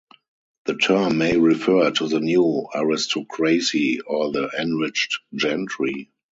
The term may refer to the new aristocracy, or the enriched gentry.